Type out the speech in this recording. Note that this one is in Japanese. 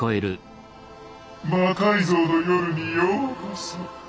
「魔改造の夜」にようこそ。